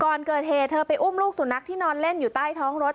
ก่อนเกิดเหตุเธอไปอุ้มลูกสุนัขที่นอนเล่นอยู่ใต้ท้องรถ